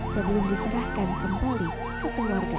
sebelum diserahkan kembali ke keluarga